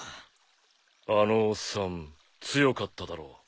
あのおっさん強かっただろ？